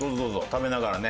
食べながらね。